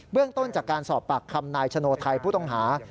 เรื่องต้นจากการสอบปากคำนายชโนไทยผู้ต้องหา